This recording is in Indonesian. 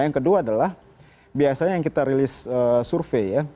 yang kedua adalah biasanya yang kita rilis survei ya